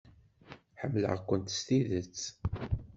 Ḥemmleɣ-kent s tidet.